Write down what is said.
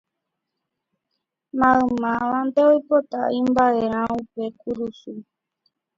Maymávante oipota imba'erã upe kurusu